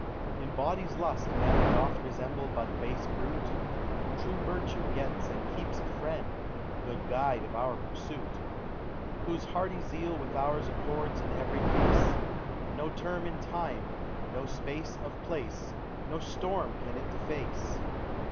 In body's lust man doth resemble but base brute ; ^True virtue gets and keeps a friend, good guide of our pursuit, Whose hearty zeal with ours accords in every case ; No term of time, no space of place, no storm can it deface.